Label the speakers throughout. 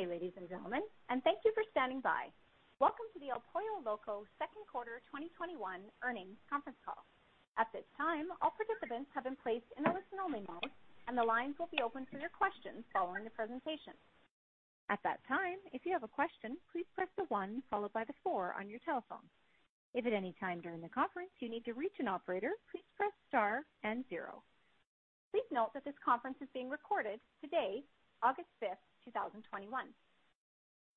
Speaker 1: Good day, ladies and gentlemen, and thank you for standing by. Welcome to the El Pollo Loco Q2 2021 earnings conference call. At this time, all participants have been placed in a listen only mode, and the lines will be open for your questions following the presentation. At that time, if you have a question, please press the one followed by the four on your telephone. If at any time during the conference you need to reach an operator, please press star and zero. Please note that this conference is being recorded today, August fifth, 2021.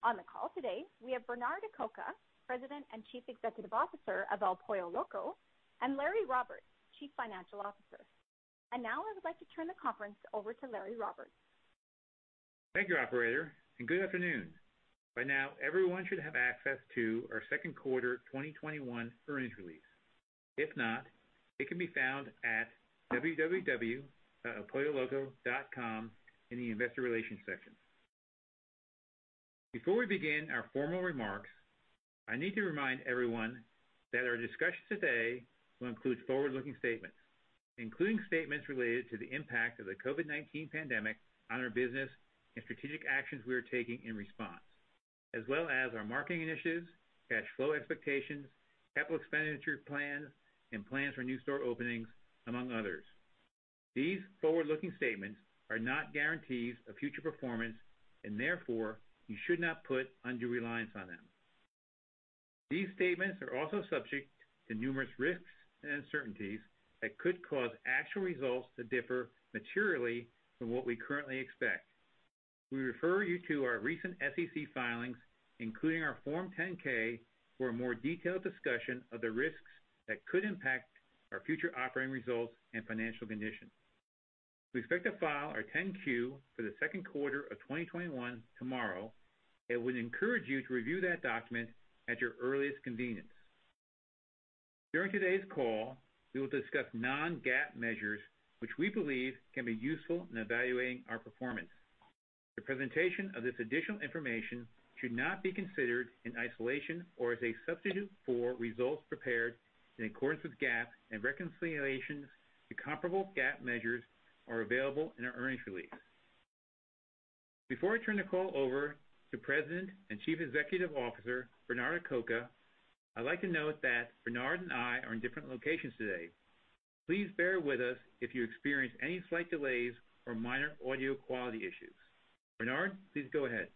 Speaker 1: On the call today we have Bernard Acoca, President and Chief Executive Officer of El Pollo Loco, and Larry Roberts, Chief Financial Officer. Now I would like to turn the conference over to Larry Roberts.
Speaker 2: Thank you, operator, and good afternoon. By now, everyone should have access to our Q2 2021 earnings release. If not, it can be found at www.elpolloloco.com in the investor relations section. Before we begin our formal remarks, I need to remind everyone that our discussion today will include forward looking statements, including statements related to the impact of the COVID-19 pandemic on our business and strategic actions we are taking in response, as well as our marketing initiatives, cash flow expectations, capital expenditure plans, and plans for new store openings, among others. These forward looking statements are not guarantees of future performance and therefore you should not put undue reliance on them. These statements are also subject to numerous risks and uncertainties that could cause actual results to differ materially from what we currently expect. We refer you to our recent SEC filings, including our Form 10-K, for a more detailed discussion of the risks that could impact our future operating results and financial conditions. We expect to file our 10-Q for the Q2 of 2021 tomorrow and would encourage you to review that document at your earliest convenience. During today's call, we will discuss non-GAAP measures which we believe can be useful in evaluating our performance. The presentation of this additional information should not be considered in isolation or as a substitute for results prepared in accordance with GAAP and reconciliations to comparable GAAP measures are available in our earnings release. Before I turn the call over to President and Chief Executive Officer, Bernard Acoca, I'd like to note that Bernard and I are in different locations today. Please bear with us if you experience any slight delays or minor audio quality issues. Bernard, please go ahead.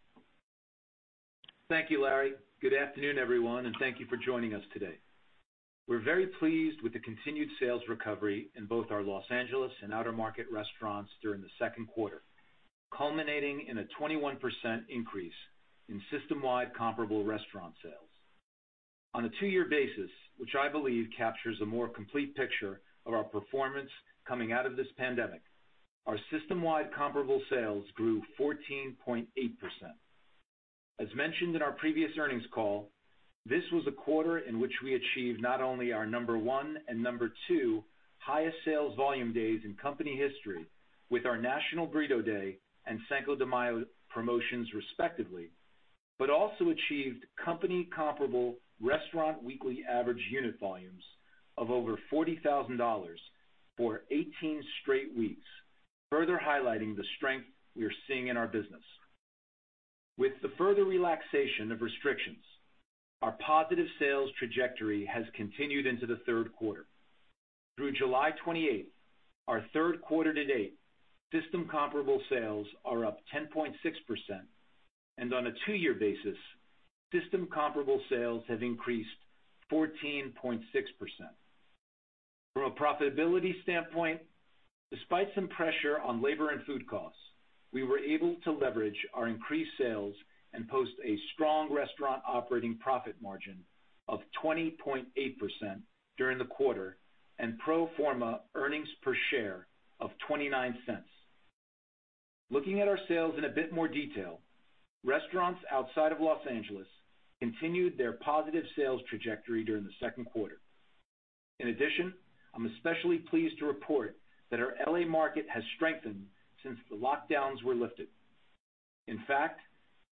Speaker 3: Thank you, Larry. Good afternoon, everyone, and thank you for joining us today. We're very pleased with the continued sales recovery in both our L.A. and outer market restaurants during the Q2, culminating in a 21% increase in systemwide comparable restaurant sales. On a two-year basis, which I believe captures a more complete picture of our performance coming out of this pandemic, our systemwide comparable sales grew 14.8%. As mentioned in our previous earnings call, this was a quarter in which we achieved not only our number one and number two highest sales volume days in company history with our National Burrito Day and Cinco de Mayo promotions respectively, but also achieved company comparable restaurant weekly average unit volumes of over $40,000 for 18 straight weeks, further highlighting the strength we are seeing in our business. With the further relaxation of restrictions, our positive sales trajectory has continued into the Q3. Through July 28th, our Q3 to date system comparable sales are up 10.6%, and on a two year basis, system comparable sales have increased 14.6%. From a profitability standpoint, despite some pressure on labor and food costs, we were able to leverage our increased sales and post a strong restaurant operating profit margin of 20.8% during the quarter and pro forma earnings per share of $0.29. Looking at our sales in a bit more detail, restaurants outside of Los Angeles continued their positive sales trajectory during the second quarter. In addition, I'm especially pleased to report that our L.A. market has strengthened since the lockdowns were lifted. In fact,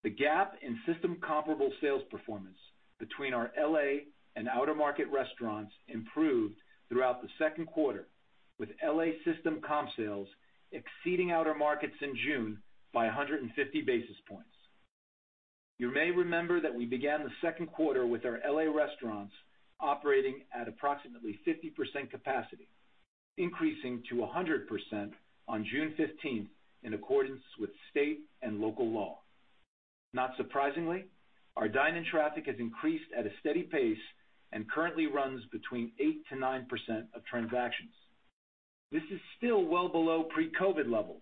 Speaker 3: the gap in system comparable sales performance between our L.A. and outer market restaurants improved throughout the Q2 with L.A. system comp sales exceeding outer markets in June by 150 basis points. You may remember that we began the second quarter with our L.A. restaurants operating at approximately 50% capacity, increasing to 100% on June 15th in accordance with state and local law. Not surprisingly, our dine in traffic has increased at a steady pace and currently runs between eight percent - nine percent of transactions. This is still well below pre-COVID levels,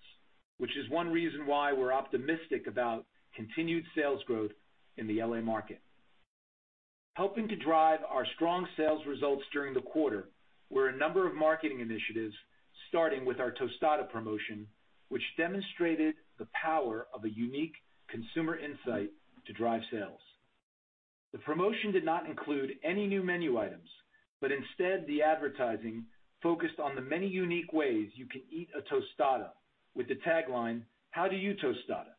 Speaker 3: which is one reason why we're optimistic about continued sales growth in the L.A. market. Helping to drive our strong sales results during the quarter were a number of marketing initiatives, starting with our tostada promotion, which demonstrated the power of a unique consumer insight to drive sales. The promotion did not include any new menu items, but instead the advertising focused on the many unique ways you can eat a tostada with the tagline, "How do you tostada?"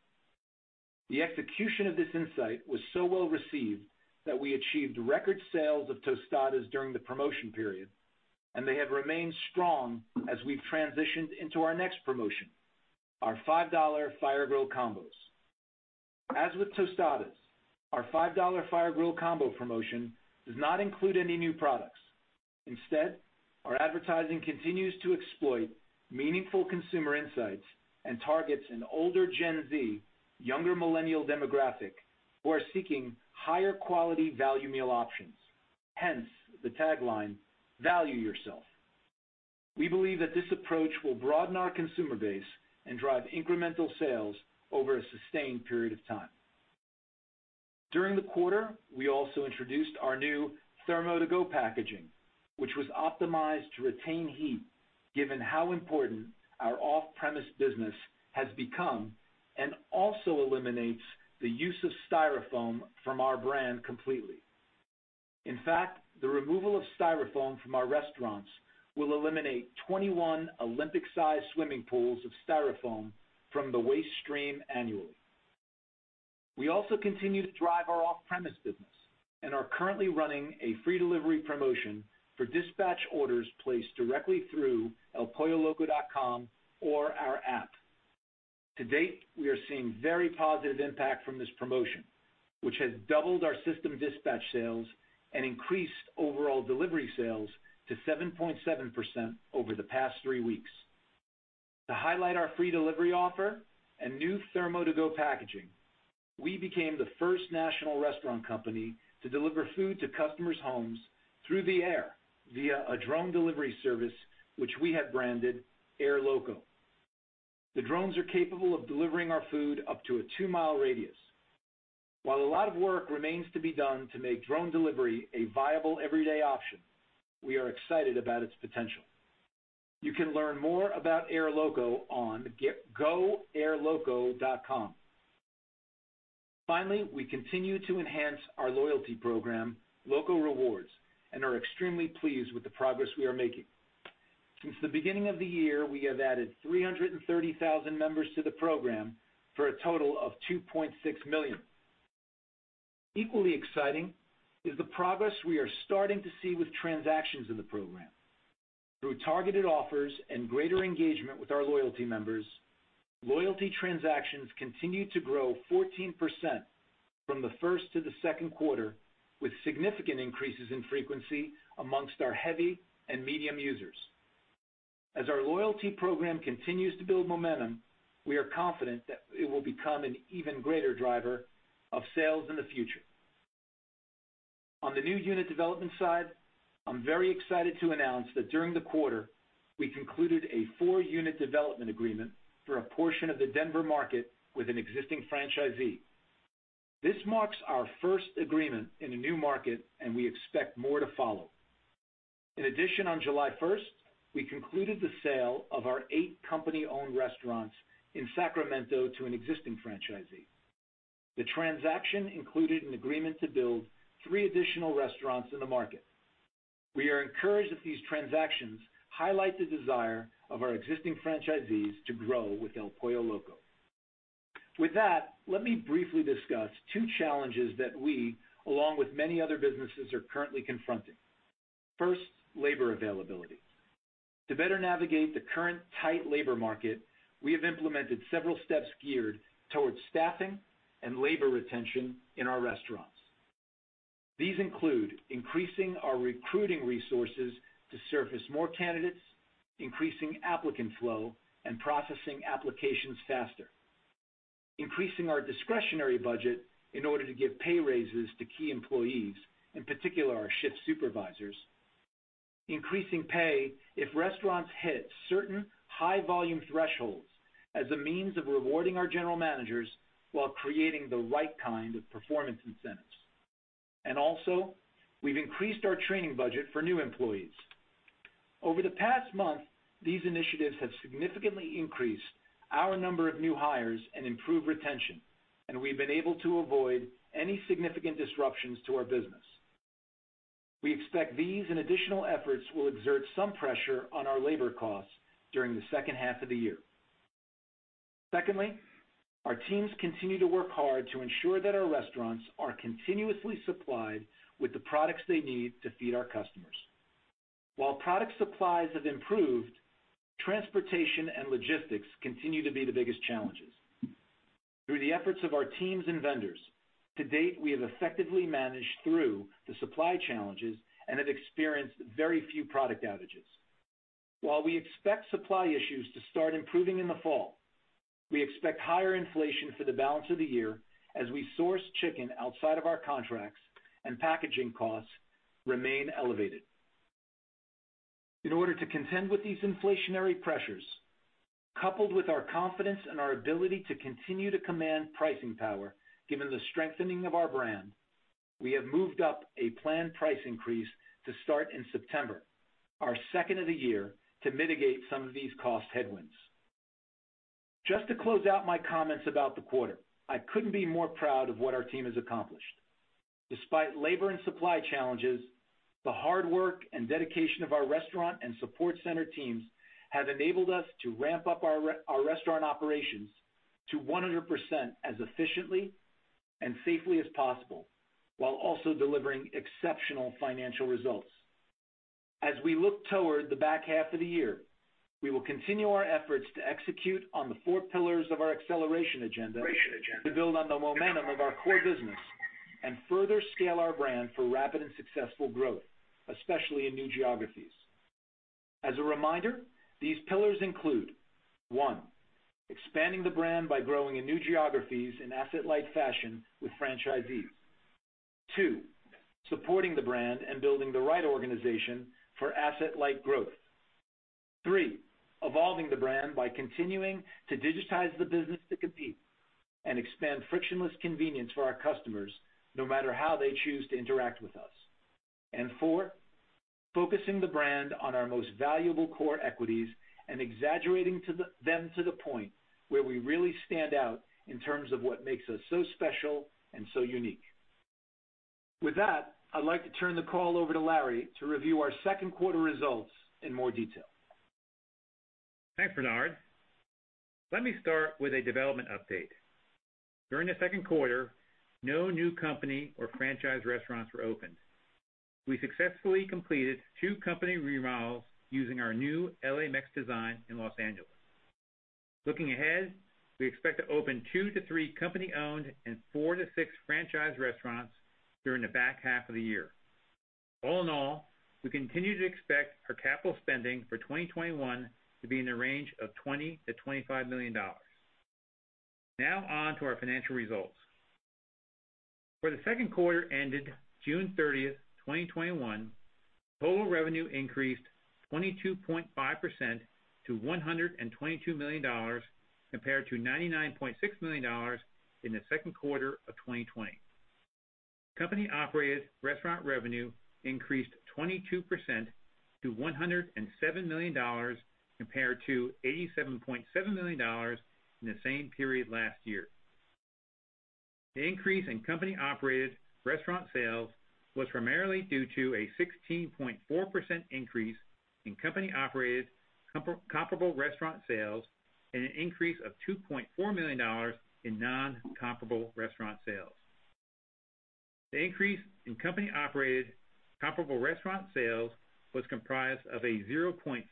Speaker 3: The execution of this insight was so well received that we achieved record sales of tostadas during the promotion period. they have remained strong as we've transitioned into our next promotion, our $5 Fire- Grill Combos. As with tostadas, our $5 Fire - Grill Combo promotion does not include any new products. Instead, our advertising continues to exploit meaningful consumer insights and targets an older Gen Z, younger millennial demographic who are seeking higher quality value meal options. Hence, the tagline, "Value Yourself." We believe that this approach will broaden our consumer base and drive incremental sales over a sustained period of time. During the quarter, we also introduced our new thermo- to- go packaging, which was optimized to retain heat, given how important our off-premise business has become, and also eliminates the use of Styrofoam from our brand completely. In fact, the removal of Styrofoam from our restaurants will eliminate 21 Olympic size swimming pools of Styrofoam from the waste stream annually. We also continue to drive our off premise business and are currently running a free delivery promotion for dispatch orders placed directly through elpolloloco.com or our app. To date, we are seeing very positive impact from this promotion, which has doubled our system dispatch sales and increased overall delivery sales to 7.7% over the past three weeks. To highlight our free delivery offer and new thermo- to go packaging, we became the first national restaurant company to deliver food to customers' homes through the air via a drone delivery service, which we have branded Air Loco. The drones are capable of delivering our food up to a two mile radius. While a lot of work remains to be done to make drone delivery a viable everyday option, we are excited about its potential. You can learn more about Air Loco on goairloco.com. We continue to enhance our loyalty program, Loco Rewards, and are extremely pleased with the progress we are making. Since the beginning of the year, we have added 330,000 members to the program for a total of 2.6 million. Equally exciting is the progress we are starting to see with transactions in the program. Through targeted offers and greater engagement with our loyalty members, loyalty transactions continue to grow 14% from the Q2 -Q2, with significant increases in frequency amongst our heavy and medium users. As our loyalty program continues to build momentum, we are confident that it will become an even greater driver of sales in the future. On the new unit development side, I'm very excited to announce that during the quarter, we concluded a four-unit development agreement for a portion of the Denver market with an existing franchisee. This marks our first agreement in a new market, and we expect more to follow. In addition, on July 1st, we concluded the sale of our eight company-owned restaurants in Sacramento to an existing franchisee. The transaction included an agreement to build three additional restaurants in the market. We are encouraged that these transactions highlight the desire of our existing franchisees to grow with El Pollo Loco. With that, let me briefly discuss two challenges that we, along with many other businesses, are currently confronting. First, labor availability. To better navigate the current tight labor market, we have implemented several steps geared towards staffing and labor retention in our restaurants. These include increasing our recruiting resources to surface more candidates, increasing applicant flow, and processing applications faster. Increasing our discretionary budget in order to give pay raises to key employees, in particular, our shift supervisors. Increasing pay if restaurants hit certain high volume thresholds as a means of rewarding our general managers while creating the right kind of performance incentives. Also, we've increased our training budget for new employees. Over the past month, these initiatives have significantly increased our number of new hires and improved retention, and we've been able to avoid any significant disruptions to our business. We expect these and additional efforts will exert some pressure on our labor costs during the second half of the year. Secondly, our teams continue to work hard to ensure that our restaurants are continuously supplied with the products they need to feed our customers. While product supplies have improved, transportation and logistics continue to be the biggest challenges. Through the efforts of our teams and vendors, to date, we have effectively managed through the supply challenges and have experienced very few product outages. While we expect supply issues to start improving in the fall, we expect higher inflation for the balance of the year as we source chicken outside of our contracts and packaging costs remain elevated. In order to contend with these inflationary pressures, coupled with our confidence in our ability to continue to command pricing power, given the strengthening of our brand, we have moved up a planned price increase to start in September, our second of the year, to mitigate some of these cost headwinds. Just to close out my comments about the quarter, I couldn't be more proud of what our team has accomplished. Despite labor and supply challenges, the hard work and dedication of our restaurant and support center teams have enabled us to ramp up our restaurant operations to 100% as efficiently and safely as possible, while also delivering exceptional financial results. As we look toward the back half of the year, we will continue our efforts to execute on the four pillars of our acceleration agenda to build on the momentum of our core business and further scale our brand for rapid and successful growth, especially in new geographies. As a reminder, these pillars include, one, expanding the brand by growing in new geographies in asset-light fashion with franchisees. Two, supporting the brand and building the right organization for asset-light growth. Three, evolving the brand by continuing to digitize the business to compete and expand frictionless convenience for our customers, no matter how they choose to interact with us. Four, focusing the brand on our most valuable core equities and exaggerating them to the point where we really stand out in terms of what makes us so special and so unique. With that, I'd like to turn the call over to Larry to review our Q2 results in more detail.
Speaker 2: Thanks, Bernard. Let me start with a development update. During the Q2, no new company or franchise restaurants were opened. We successfully completed two company renewals using our new L.A. Mex design in Los Angeles. Looking ahead, we expect to open two-three company-owned and four-six franchise restaurants during the back half of the year. All in all, we continue to expect our capital spending for 2021 to be in the range of $20 million-$25 million. Now on to our financial results. For the Q2 ended June 30th, 2021, total revenue increased 22.5% - $122 million, compared to $99.6 million in the second quarter of 2020. Company-operated restaurant revenue increased 22% - $107 million compared to $87.7 million in the same period last year. The increase in company operated restaurant sales was primarily due to a 16.4% increase in company operated comparable restaurant sales, and an increase of $2.4 million in non-comparable restaurant sales. The increase in company-operated comparable restaurant sales was comprised of a 0.4%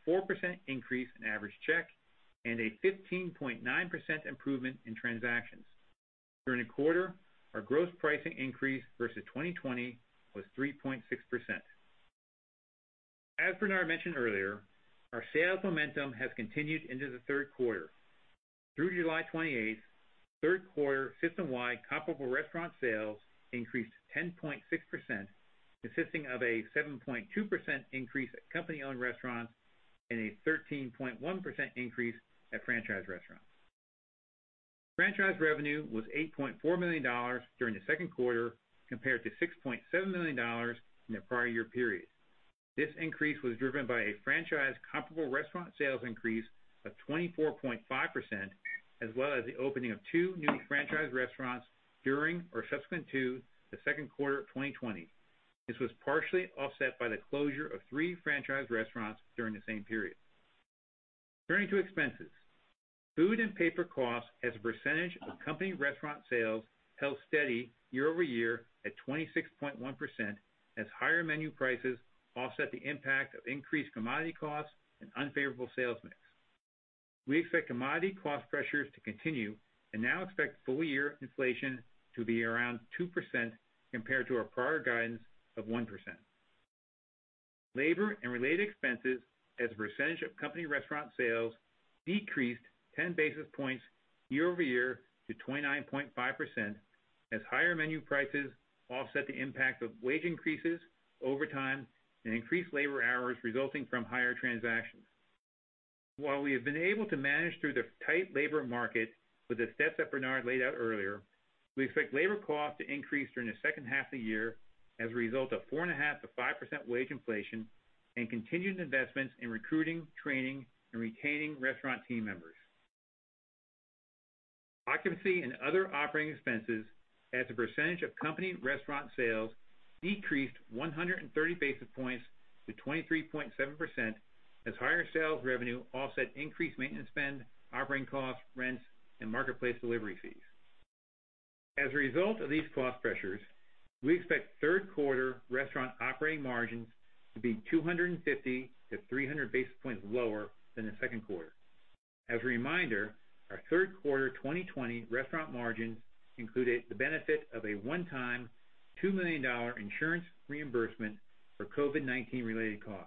Speaker 2: increase in average check and a 15.9% improvement in transactions. During the quarter, our gross pricing increase versus 2020 was 3.6%. As Bernard mentioned earlier, our sales momentum has continued into the Q3. Through July 28th, Q3 system-wide comparable restaurant sales increased 10.6%, consisting of a 7.2% increase at company-owned restaurants and a 13.1% increase at franchise restaurants. Franchise revenue was $8.4 million during the Q2 compared to $6.7 million in the prior year period. This increase was driven by a franchise comparable restaurant sales increase of 24.5%, as well as the opening of two newly franchised restaurants during or subsequent to the Q2 of 2020. This was partially offset by the closure of three franchised restaurants during the same period. Turning to expenses. Food and paper cost as a percentage of company restaurant sales held steady year-over-year at 26.1% as higher menu prices offset the impact of increased commodity costs and unfavorable sales mix. We expect commodity cost pressures to continue and now expect full year inflation to be around two percent compared to our prior guidance of one percent. Labor and related expenses as a percentage of company restaurant sales decreased 10 basis points year over year to 29.5% as higher menu prices offset the impact of wage increases over time and increased labor hours resulting from higher transactions. While we have been able to manage through the tight labor market with the steps that Bernard laid out earlier, we expect labor costs to increase during the second half of the year as a result of 4.5%-5% wage inflation and continued investments in recruiting, training, and retaining restaurant team members. Occupancy and other operating expenses as a percentage of company restaurant sales decreased 130 basis points to 23.7% as higher sales revenue offset increased maintenance spend, operating costs, rents, and marketplace delivery fees. As a result of these cost pressures, we expect Q3 restaurant operating margins to be 250-300 basis points lower than the Q2. As a reminder, our Q3 2020 restaurant margins included the benefit of a one time $2 million insurance reimbursement for COVID-19 related costs.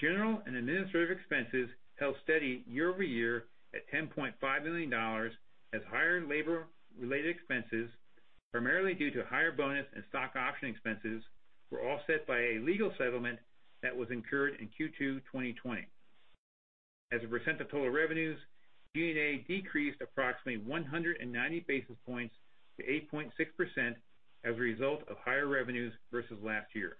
Speaker 2: General and administrative expenses held steady year over year at $10.5 million as higher labor related expenses, primarily due to higher bonus and stock option expenses, were offset by a legal settlement that was incurred in Q2 2020. As a percent of total revenues, G&A decreased approximately 190 basis points to 8.6% as a result of higher revenues versus last year.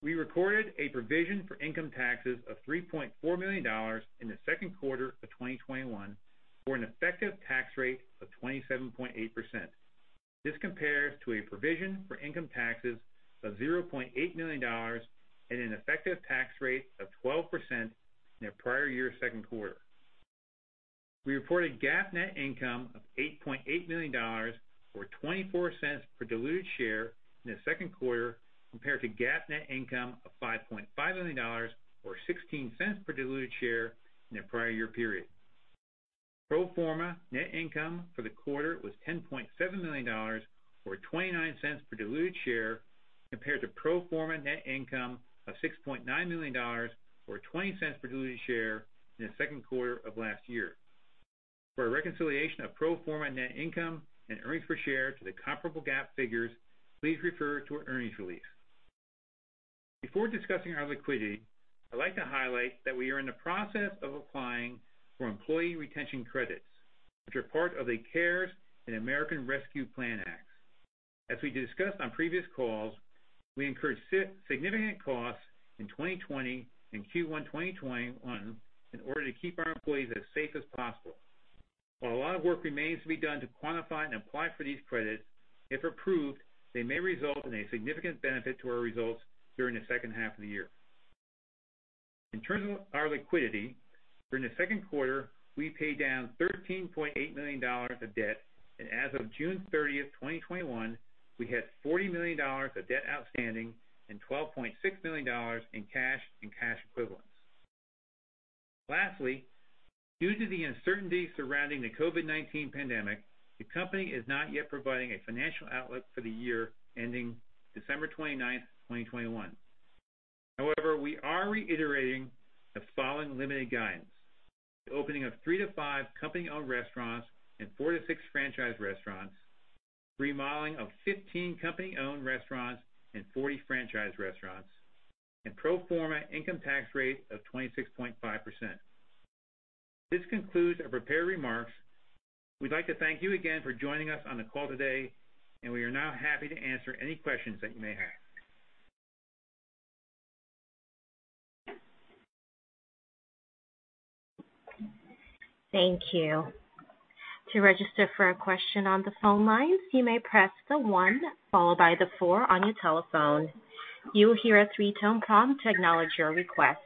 Speaker 2: We recorded a provision for income taxes of $3.4 million in the Q2 of 2021 for an effective tax rate of 27.8%. This compares to a provision for income taxes of $0.8 million and an effective tax rate of 12% in the prior year's Q2. We reported GAAP net income of $8.8 million, or $0.24 per diluted share in the second quarter, compared to GAAP net income of $5.5 million or $0.16 per diluted share in the prior year period. Pro forma net income for the quarter was $10.7 million or $0.29 per diluted share, compared to pro forma net income of $6.9 million or $0.20 per diluted share in the Q2 of last year. For a reconciliation of pro forma net income and earnings per share to the comparable GAAP figures, please refer to our earnings release. Before discussing our liquidity, I'd like to highlight that we are in the process of applying for employee retention credits, which are part of the CARES and American Rescue Plan Act. As we discussed on previous calls, we incurred significant costs in 2020 and Q1 2021 in order to keep our employees as safe as possible. While a lot of work remains to be done to quantify and apply for these credits, if approved, they may result in a significant benefit to our results during the second half of the year. In terms of our liquidity, during the Q2, we paid down $13.8 million of debt, and as of June 30th, 2021, we had $40 million of debt outstanding and $12.6 million in cash and cash equivalents. Lastly, due to the uncertainty surrounding the COVID-19 pandemic, the company is not yet providing a financial outlook for the year ending December 29th, 2021. However, we are reiterating the following limited guidance. The opening of three - five company-owned restaurants and four-six franchise restaurants, remodeling of 15 company-owned restaurants and 40 franchise restaurants, and pro forma income tax rate of 26.5%. This concludes our prepared remarks. We'd like to thank you again for joining us on the call today, and we are now happy to answer any questions that you may have.
Speaker 1: Thank you. To register for a question on the phone lines, you may press the one followed by the four on your telephone. You will hear a three tone prompt to acknowledge your request.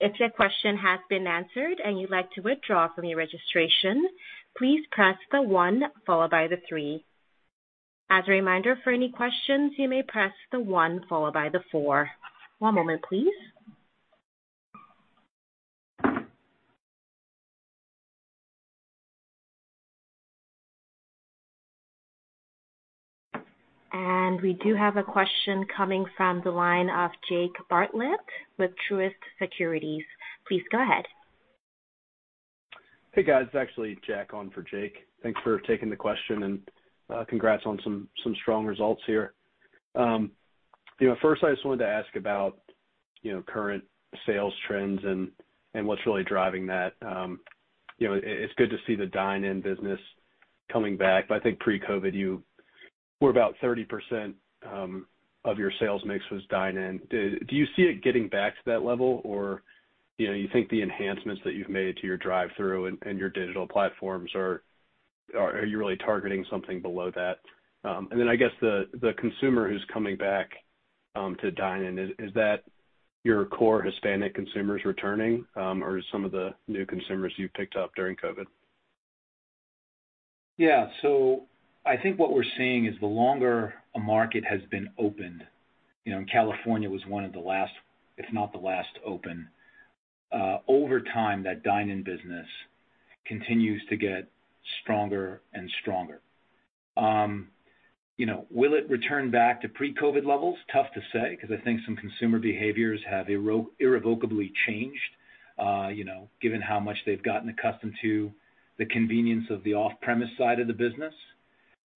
Speaker 1: If your question has been answered and you'd like to withdraw from your registration, please press the one followed by the three. As a reminder, for any questions, you may press the one followed by the four. One moment, please. We do have a question coming from the line of Jake Bartlett with Truist Securities. Please go ahead.
Speaker 4: Hey, guys. It's actually Jack on for Jake. Thanks for taking the question and congrats on some strong results here. First, I just wanted to ask about current sales trends and what's really driving that. It's good to see the dine in business coming back, but I think pre-COVID, you were about 30% of your sales mix was dine in. Do you see it getting back to that level, or you think the enhancements that you've made to your drive thru and your digital platforms are you really targeting something below that? I guess the consumer who's coming back to dine-in, is that your core Hispanic consumers returning? some of the new consumers you've picked up during COVID?
Speaker 2: Yeah. I think what we're seeing is the longer a market has been opened, and California was one of the last, if not the last, to open. Over time, that dine-in business continues to get stronger and stronger. Will it return back to pre-COVID levels? Tough to say, because I think some consumer behaviors have irrevocably changed given how much they've gotten accustomed to the convenience of the off-premise side of the business.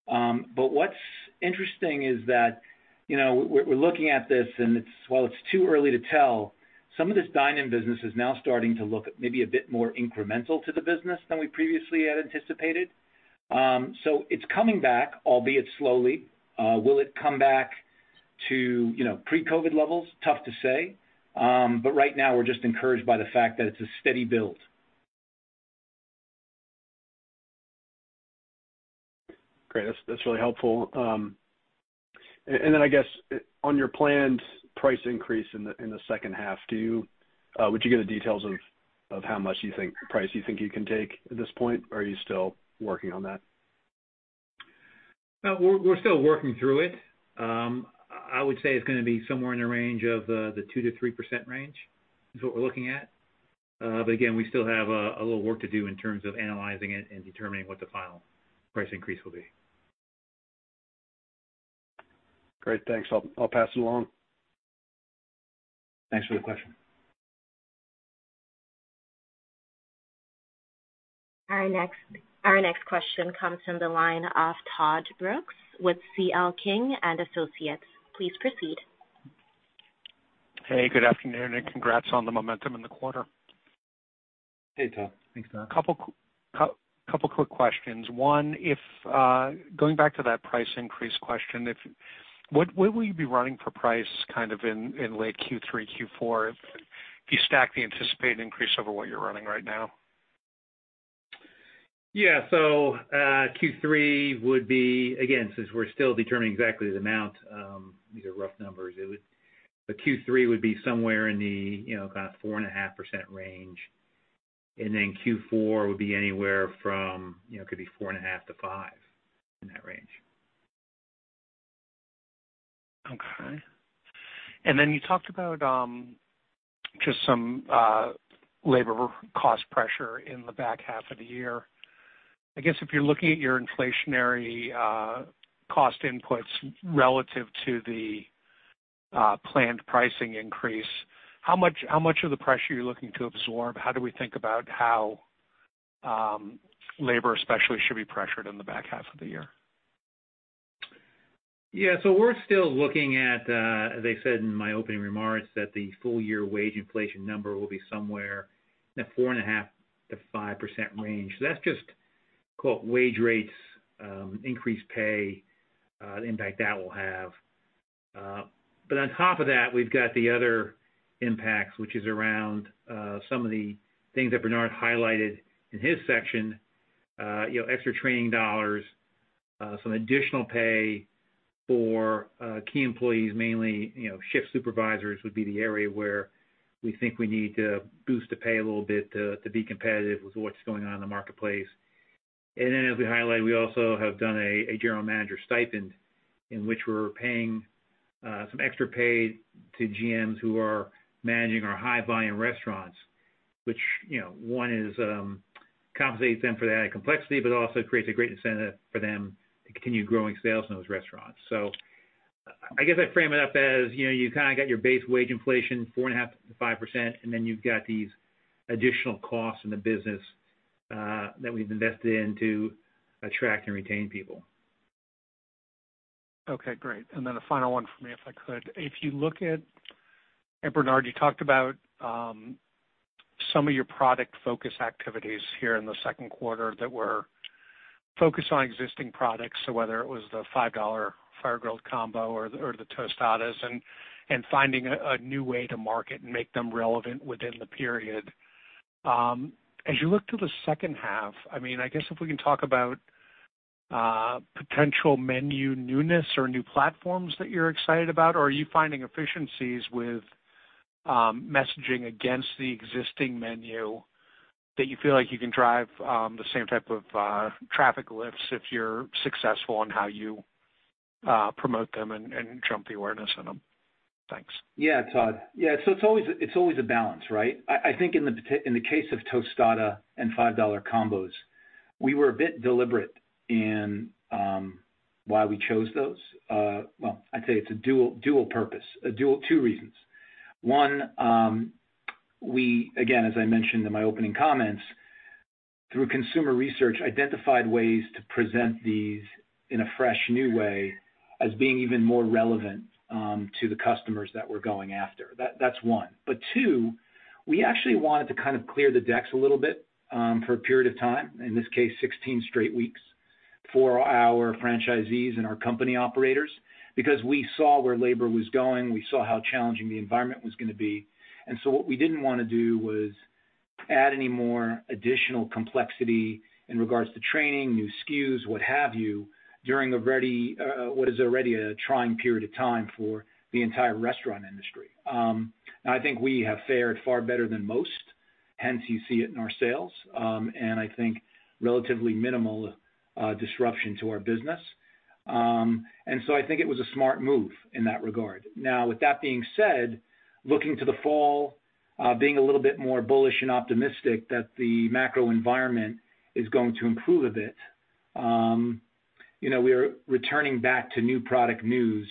Speaker 2: What's interesting is that we're looking at this, and while it's too early to tell, some of this dine-in business is now starting to look maybe a bit more incremental to the business than we previously had anticipated. It's coming back, albeit slowly. Will it come back to pre-COVID levels? Tough to say. Right now, we're just encouraged by the fact that it's a steady build.
Speaker 4: Great. That's really helpful. I guess on your planned price increase in the second half, would you give the details of how much price you think you can take at this point, or are you still working on that?
Speaker 2: No, we're still working through it. I would say it's going to be somewhere in the range of the two -three percent range, is what we're looking at. again, we still have a little work to do in terms of analyzing it and determining what the final price increase will be.
Speaker 4: Great. Thanks. I'll pass it along.
Speaker 2: Thanks for the question.
Speaker 1: Our next question comes from the line of Todd Brooks with C.L. King & Associates. Please proceed.
Speaker 5: Hey, good afternoon, and congrats on the momentum in the quarter.
Speaker 2: Hey, Todd. Thanks for that.
Speaker 5: Couple quick questions. One, going back to that price increase question, where will you be running for price in late Q3, Q4? If you stack the anticipated increase over what you're running right now.
Speaker 2: Yeah. Q3 would be, again, since we're still determining exactly the amount, these are rough numbers. Q4 would be anywhere from, could be 4.5%-5%, in that range.
Speaker 5: Okay. you talked about just some labor cost pressure in the back half of the year. I guess if you're looking at your inflationary cost inputs relative to the planned pricing increase, how much of the pressure are you looking to absorb? How do we think about how labor especially should be pressured in the back half of the year?
Speaker 2: Yeah. we're still looking at, as I said in my opening remarks, that the full year wage inflation number will be somewhere in the 4.5% - 5% range. that's just wage rates, increased pay, the impact that will have. on top of that, we've got the other impacts, which is around some of the things that Bernard highlighted in his section. Extra training dollars, some additional pay for key employees, mainly shift supervisors would be the area where we think we need to boost the pay a little bit to be competitive with what's going on in the marketplace. as we highlighted, we also have done a general manager stipend in which we're paying some extra pay to GMs who are managing our high volume restaurants, which compensates them for that added complexity, but also creates a great incentive for them to continue growing sales in those restaurants. I guess I'd frame it up as, you kind of got your base wage inflation 4.5%-5%, and then you've got these additional costs in the business that we've invested in to attract and retain people.
Speaker 5: Okay, great. a final one for me, if I could. If you look at, and Bernard, you talked about some of your product focus activities here in the Q2 that were focused on existing products. whether it was the $5 Fire-Grilled combo or the tostadas, and finding a new way to market and make them relevant within the period. As you look to the second half, I guess if we can talk about potential menu newness or new platforms that you're excited about, or are you finding efficiencies with messaging against the existing menu that you feel like you can drive the same type of traffic lifts if you're successful in how you promote them and jump the awareness in them? Thanks.
Speaker 3: Yeah, Todd. It's always a balance, right? I think in the case of tostada and $5 combos, we were a bit deliberate in why we chose those. Well, I'd say it's a dual purpose, two reasons. One, we, again, as I mentioned in my opening comments, through consumer research, identified ways to present these in a fresh, new way as being even more relevant to the customers that we're going after. That's one. Two, we actually wanted to kind of clear the decks a little bit for a period of time, in this case 16 straight weeks, for our franchisees and our company operators because we saw where labor was going, we saw how challenging the environment was going to be. what we didn't want to do was add any more additional complexity in regards to training, new SKUs, what have you, during what is already a trying period of time for the entire restaurant industry. Now, I think we have fared far better than most, hence you see it in our sales. I think relatively minimal disruption to our business. I think it was a smart move in that regard. Now, with that being said, looking to the fall, being a little bit more bullish and optimistic that the macro environment is going to improve a bit, we are returning back to new product news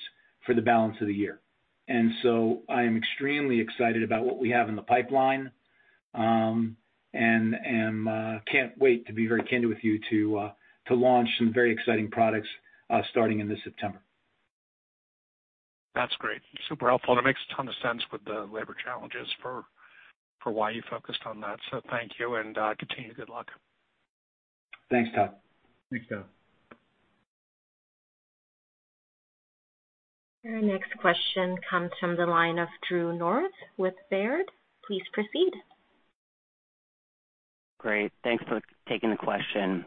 Speaker 3: for the balance of the year. I am extremely excited about what we have in the pipeline, and can't wait to be very candid with you to launch some very exciting products starting in this September.
Speaker 5: That's great. Super helpful, and it makes a ton of sense with the labor challenges for why you focused on that. Thank you, and continued good luck.
Speaker 3: Thanks, Todd.
Speaker 2: Thanks, Todd.
Speaker 1: Our next question comes from the line of Drew North with Baird. Please proceed.
Speaker 6: Great. Thanks for taking the question.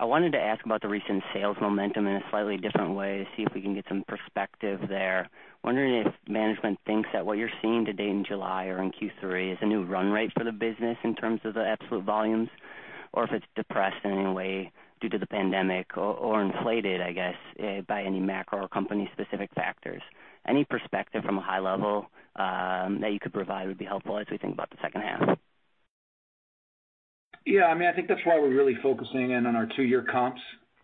Speaker 6: I wanted to ask about the recent sales momentum in a slightly different way to see if we can get some perspective there. Wondering if management thinks that what you're seeing to date in July or in Q3 is a new run rate for the business in terms of the absolute volumes, or if it's depressed in any way due to the pandemic or inflated, I guess, by any macro or company specific factors. Any perspective from a high level that you could provide would be helpful as we think about the second half.
Speaker 3: Yeah, I think that's why we're really focusing in on our two year comps,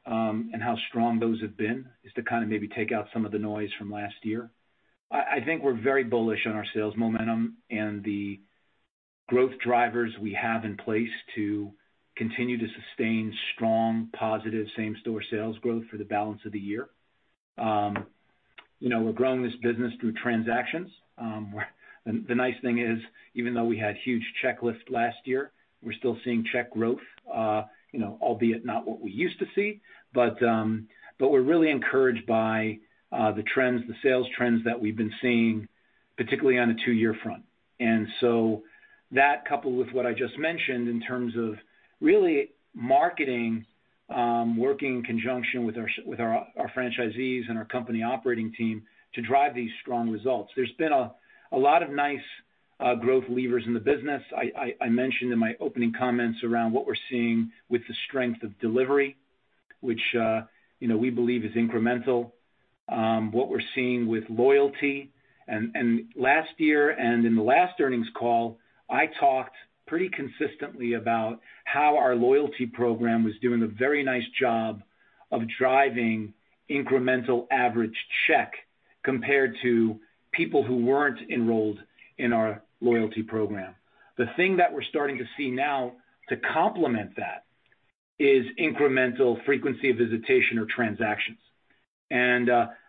Speaker 3: and how strong those have been, is to kind of maybe take out some of the noise from last year. I think we're very bullish on our sales momentum and the growth drivers we have in place to continue to sustain strong, positive, same store sales growth for the balance of the year. We're growing this business through transactions, where the nice thing is, even though we had huge check lifts last year, we're still seeing check growth, albeit not what we used to see. We're really encouraged by the sales trends that we've been seeing, particularly on a two year front. That coupled with what I just mentioned in terms of really marketing, working in conjunction with our franchisees and our company operating team to drive these strong results. There's been a lot of nice growth levers in the business. I mentioned in my opening comments around what we're seeing with the strength of delivery, which we believe is incremental. What we're seeing with loyalty. Last year and in the last earnings call, I talked pretty consistently about how our loyalty program was doing a very nice job of driving incremental average check compared to people who weren't enrolled in our loyalty program. The thing that we're starting to see now to complement that is incremental frequency of visitation or transactions.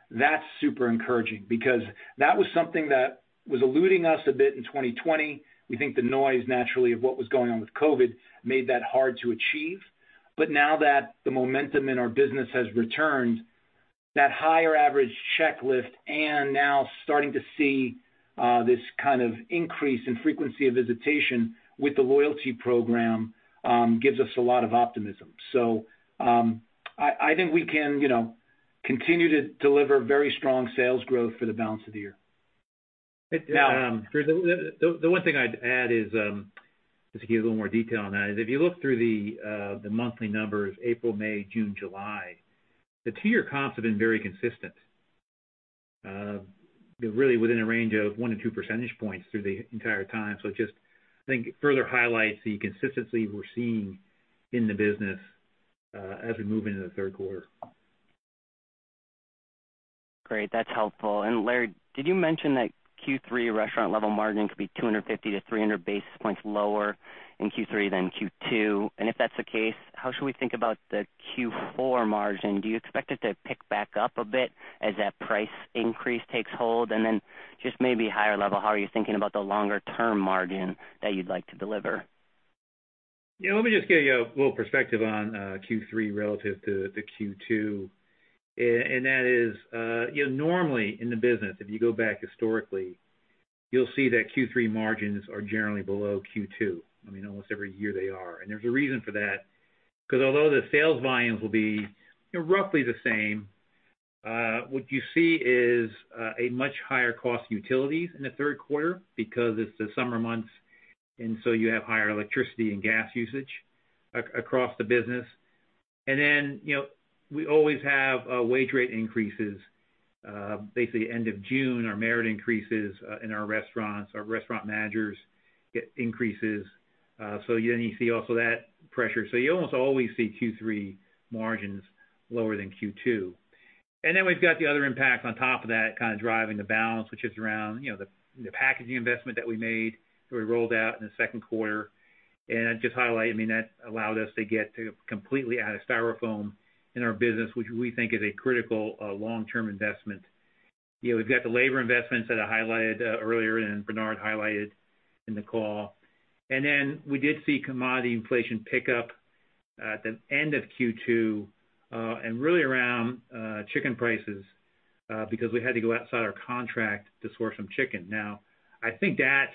Speaker 3: That's super encouraging because that was something that was eluding us a bit in 2020. We think the noise, naturally, of what was going on with COVID made that hard to achieve. now that the momentum in our business has returned, that higher average check lift and now starting to see this kind of increase in frequency of visitation with the loyalty program, gives us a lot of optimism. I think we can continue to deliver very strong sales growth for the balance of the year.
Speaker 2: The one thing I'd add is, just to give you a little more detail on that, is if you look through the monthly numbers, April, May, June, July, the two year comps have been very consistent. They're really within a range of one to two percentage points through the entire time. It just, I think, further highlights the consistency we're seeing in the business, as we move into the Q3.
Speaker 6: Great. That's helpful. Larry, did you mention that Q3 restaurant level margin could be 250-300 basis points lower in Q3 than Q2? If that's the case, how should we think about the Q4 margin? Do you expect it to pick back up a bit as that price increase takes hold? Just maybe higher level, how are you thinking about the longer term margin that you'd like to deliver?
Speaker 2: Yeah, let me just give you a little perspective on Q3 relative to Q2. That is normally in the business, if you go back historically, you'll see that Q3 margins are generally below Q2. I mean, almost every year they are. There's a reason for that, because although the sales volumes will be roughly the same, what you see is a much higher cost utilities in the third quarter because it's the summer months, and so you have higher electricity and gas usage across the business. We always have wage rate increases. Basically end of June, our merit increases in our restaurants, our restaurant managers get increases. You see also that pressure. You almost always see Q3 margins lower than Q2. we've got the other impacts on top of that kind of driving the balance, which is around the packaging investment that we made that we rolled out in the Q2. I'd just highlight, that allowed us to get to completely out of styrofoam in our business, which we think is a critical, long-term investment. We've got the labor investments that I highlighted earlier and Bernard highlighted in the call. we did see commodity inflation pick up at the end of Q2, and really around chicken prices, because we had to go outside our contract to source some chicken. Now, I think that,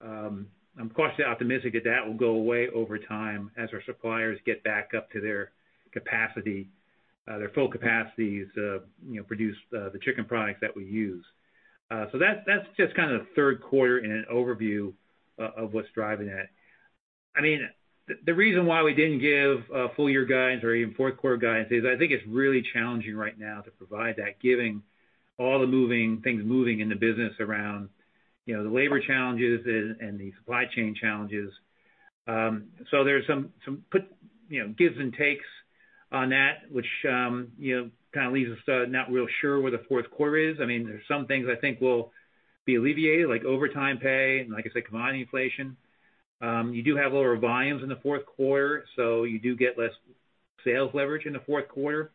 Speaker 2: I'm cautiously optimistic that that will go away over time as our suppliers get back up to their capacity, their full capacities to produce the chicken products that we use. that's just kind of the Q3 in an overview of what's driving it. The reason why we didn't give full year guidance or even fourth quarter guidance is I think it's really challenging right now to provide that, giving all the things moving in the business around the labor challenges and the supply chain challenges. there's some gives and takes on that, which kind of leaves us not real sure where the Q4 is. There's some things I think will be alleviated, like overtime pay and like I said, commodity inflation. You do have lower volumes in the Q4, so you do get less sales leverage in the fourth quarter.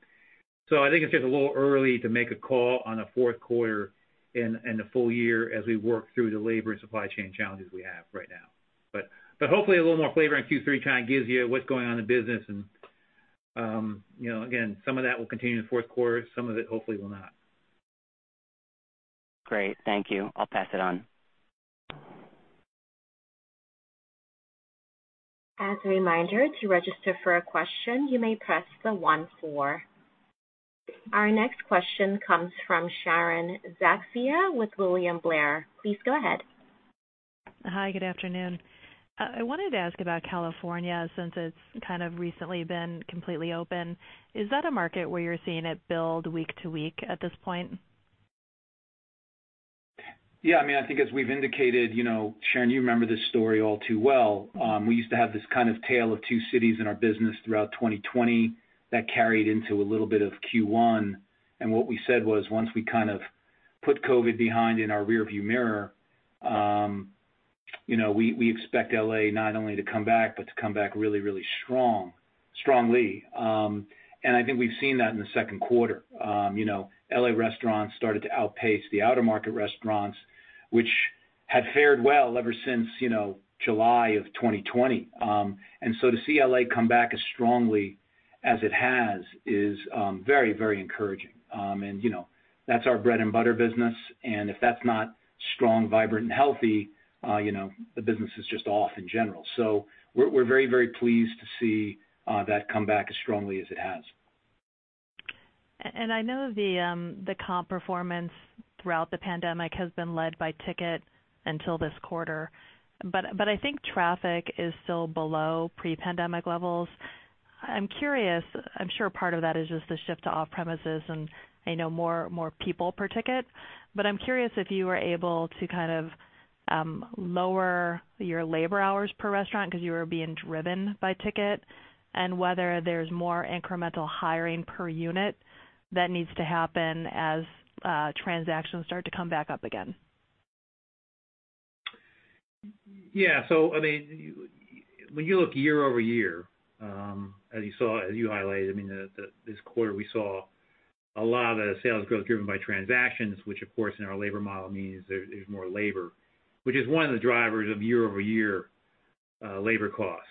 Speaker 2: I think it's just a little early to make a call on a Q4 and the full year as we work through the labor and supply chain challenges we have right now. hopefully a little more flavor on Q3 kind of gives you what's going on in the business and again, some of that will continue in the Q4, some of it hopefully will not.
Speaker 6: Great. Thank you. I'll pass it on.
Speaker 1: Our next question comes from Sharon Zackfia with William Blair. Please go ahead.
Speaker 7: Hi. Good afternoon. I wanted to ask about California since it's kind of recently been completely open. Is that a market where you're seeing it build week to week at this point?
Speaker 3: Yeah, I think as we've indicated, Sharon, you remember this story all too well. We used to have this kind of tale of two cities in our business throughout 2020 that carried into a little bit of Q1. What we said was once we kind of put COVID behind in our rear view mirror, we expect L.A. not only to come back, but to come back really, really strong. I think we've seen that in the Q2. L.A. restaurants started to outpace the outer market restaurants, which had fared well ever since July of 2020. To see L.A. come back as strongly As it has is very, very encouraging. That's our bread and butter business, and if that's not strong, vibrant and healthy, the business is just off in general. We're very, very pleased to see that come back as strongly as it has.
Speaker 7: I know the comp performance throughout the pandemic has been led by ticket until this quarter, but I think traffic is still below pre-pandemic levels. I'm curious, I'm sure part of that is just the shift to off-premises and I know more people per ticket, but I'm curious if you were able to kind of lower your labor hours per restaurant because you were being driven by ticket, and whether there's more incremental hiring per unit that needs to happen as transactions start to come back up again.
Speaker 2: Yeah. When you look year over year, as you highlighted, this quarter, we saw a lot of the sales growth driven by transactions, which, of course, in our labor model means there's more labor, which is one of the drivers of year over year labor costs.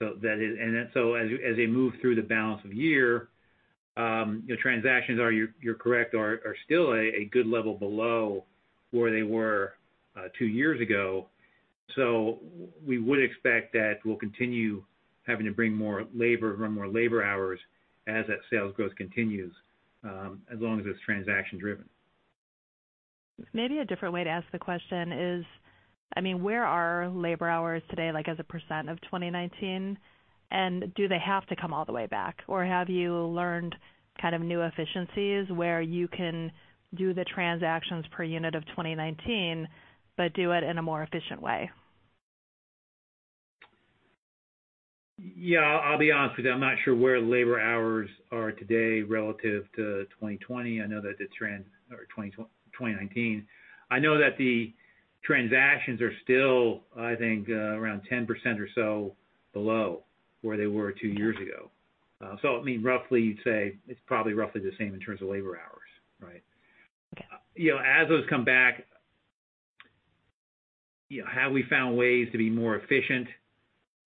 Speaker 2: As they move through the balance of the year, transactions are, you're correct, are still a good level below where they were two years ago. We would expect that we'll continue having to bring more labor, run more labor hours as that sales growth continues, as long as it's transaction driven.
Speaker 7: Maybe a different way to ask the question is, where are labor hours today, like as a percentage of 2019? Do they have to come all the way back, or have you learned kind of new efficiencies where you can do the transactions per unit of 2019, but do it in a more efficient way?
Speaker 2: Yeah, I'll be honest with you, I'm not sure where labor hours are today relative to 2020. I know that the trend, or 2019. I know that the transactions are still, I think, around 10% or so below where they were two years ago. Roughly you'd say it's probably roughly the same in terms of labor hours. Right?
Speaker 7: Okay.
Speaker 2: As those come back, have we found ways to be more efficient?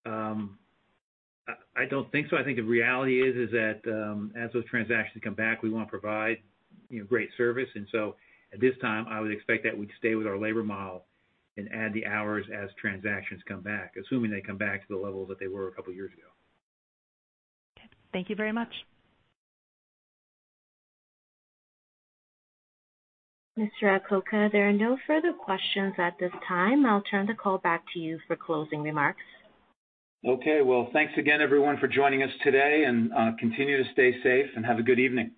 Speaker 2: I don't think so. I think the reality is that as those transactions come back, we want to provide great service. At this time, I would expect that we'd stay with our labor model and add the hours as transactions come back, assuming they come back to the level that they were a couple of years ago.
Speaker 7: Okay. Thank you very much.
Speaker 1: Mr. Acoca, there are no further questions at this time. I'll turn the call back to you for closing remarks.
Speaker 2: Okay. Well, thanks again, everyone, for joining us today, and continue to stay safe and have a good evening.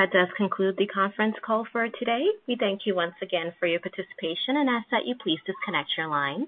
Speaker 1: That does conclude the conference call for today. We thank you once again for your participation and ask that you please disconnect your lines.